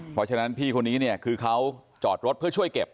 เพราะฉะนั้นพี่คนนี้เนี่ยคือเขาจอดรถเพื่อช่วยเก็บ